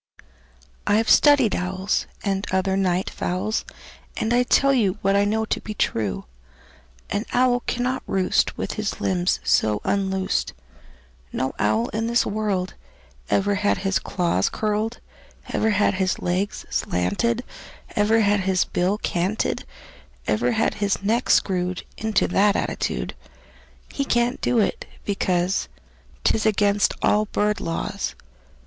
"I've studied owls, And other night fowls, And I tell you What I know to be true: An owl cannot roost With his limbs so unloosed; No owl in this world Ever had his claws curled, Ever had his legs slanted, Ever had his bill canted, Ever had his neck screwed Into that attitude. He can't do it, because 'T is against all bird laws.